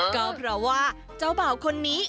ก็เพราะว่าเจ้าบ่าวคนนี้